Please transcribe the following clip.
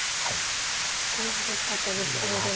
いやすごい激しかったですけれども。